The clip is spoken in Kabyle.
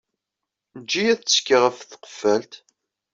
Eǧǧ-iyi ad tekkiɣ ɣef tqeffalt